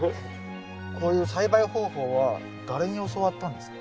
こういう栽培方法は誰に教わったんですか？